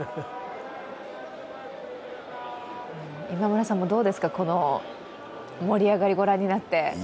今村さん、どうですか、この盛り上がりをご覧になって。